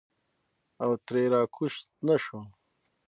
او ترې راکوز نه شو.